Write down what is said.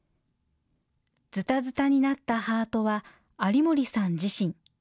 ズタズタになったハートは有森さん自身。